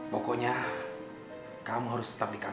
pokoknya kamu harus tetap di kamar ini